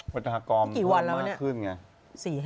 วัตถากรมมันมากขึ้นไง